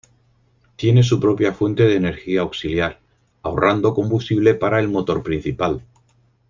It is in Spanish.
Tiene su propia fuente de energía auxiliar, ahorrando combustible para el motor principal.